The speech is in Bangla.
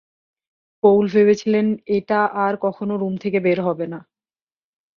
পৌল ভেবেছিলেন যে, এটা আর কখনো রুম থেকে বের হবে না।